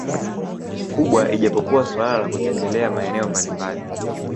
kubwa ijapokuwa suala la kutembelea maeneo mbalimbali